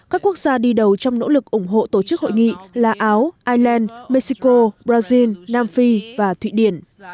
các quốc gia đi đầu trong nỗ lực ủng hộ tổ chức hội nghị là áo iceland mexico brazil nam phi và thụy điển